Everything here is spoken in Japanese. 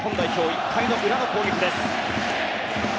１回の裏の攻撃です。